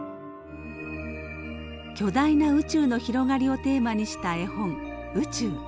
巨大な宇宙の広がりをテーマにした絵本「宇宙」。